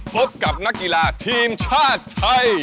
พบกับนักกีฬาทีมชาติไทย